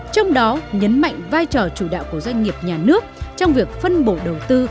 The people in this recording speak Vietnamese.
trong đó nhấn mạnh vai trò chủ đạo của doanh nghiệp nhà nước trong việc phân bổ đầu tư